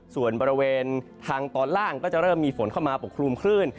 ส่วนบริเวณทางตอนล่างก็จะเริ่มมีฝนเข้ามาปกคลุมคลื่น